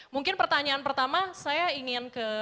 mungkin pertanyaan pertama saya ingin ke